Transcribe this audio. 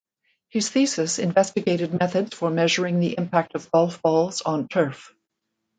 His thesis investigated methods for measuring the impact of golf balls on turf.